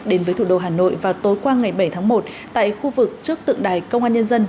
đến với thủ đô hà nội vào tối qua ngày bảy tháng một tại khu vực trước tượng đài công an nhân dân